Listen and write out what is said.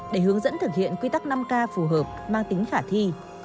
để hướng dẫn thực hiện quy tắc năm k phù hợp mang tính khả thi